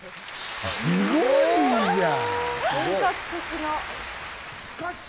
すごいじゃん！